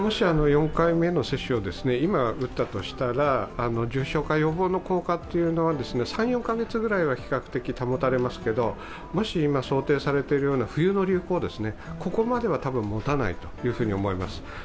４回目の接種を今、打ったとしたら、重症化予防の効果は３４カ月ぐらいは比較的保たれますけど今、想定されているような冬の流行までは多分もたないと思います。